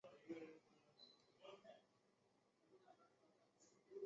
揭阳榕城人。